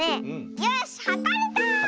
よしはかれた！